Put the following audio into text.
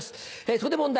そこで問題